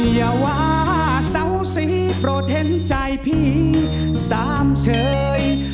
อย่าว่าเศร้าสีโปรเท็จใจพี่สามเชย